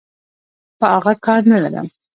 په اغه کار نلرم.